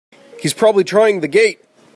He's probably trying the gate!